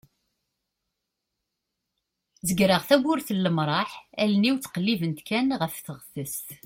zegreɣ tawwurt n lemraḥ allen-iw ttqellibent kan ɣef teɣtest